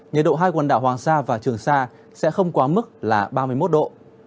nhiệt độ hai quần đảo hoàng sa và trường sa sẽ không quá mức là ba mươi một độ